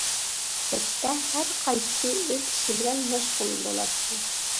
كەچتە ھەر قايسىسى ئۆز ئىشى بىلەن مەشغۇل بولاتتى.